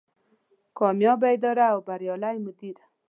کاميابه اداره او بريالی مدير